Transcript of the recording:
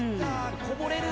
こぼれる！